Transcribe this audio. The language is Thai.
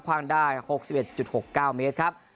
ความได้๖๑๖๙เมตรครับ